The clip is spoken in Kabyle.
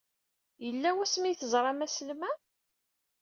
Yella wasmi ay teẓram aslem-a?